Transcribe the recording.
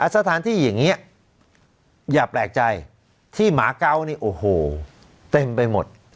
สถานที่อย่างนี้อย่าแปลกใจที่หมาเกาะนี่โอ้โหเต็มไปหมด